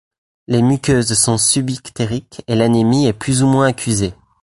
Les muqueuses sont subictériques et l'anémie est plus ou moins accusée.